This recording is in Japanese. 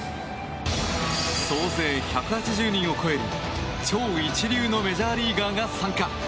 総勢１８０人を超える、超一流のメジャーリーガーが参加。